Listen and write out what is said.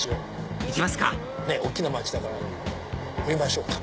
行きますか大きな街だから降りましょうか。